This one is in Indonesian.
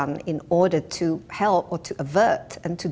apa yang harus dilakukan untuk membantu atau mengatasi